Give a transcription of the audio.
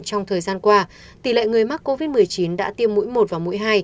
trong thời gian qua tỷ lệ người mắc covid một mươi chín đã tiêm mũi một và mũi hai